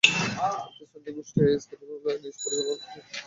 এতে সুন্নি গোষ্ঠী আইএসকে নির্মূলে নিজ পরিকল্পনার রূপরেখা তুলে ধরেন তিনি।